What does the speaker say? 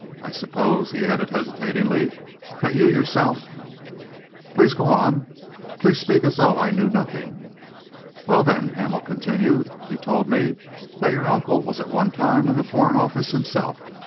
I suppose," he added, hesitatingly, "that you yourself " "Please go on. Please speak as though I knew nothing." "Well, then," Hamel continued, "he told me that your uncle was at one time in the Foreign Office himself.